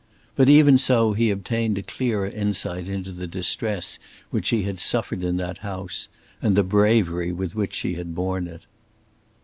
But even so, he obtained a clearer insight into the distress which she had suffered in that house, and the bravery with which she had borne it.